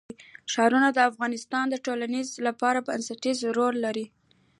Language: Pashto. ښارونه د افغانستان د ټولنې لپاره بنسټيز رول لري.